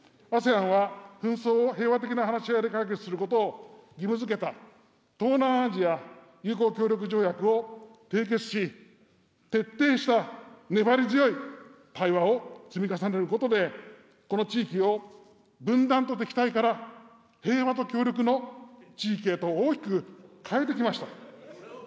ＡＳＥＡＮは、紛争を平和的な話し合いで解決することを義務づけた東南アジア友好協力条約を締結し、徹底した粘り強い対話を積み重ねることで、この地域を分断と敵対から平和と協力の地域へと大きく変えてきました。